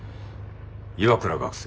岩倉学生。